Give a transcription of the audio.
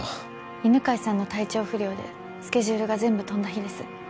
犬飼さんの体調不良でスケジュールが全部飛んだ日です。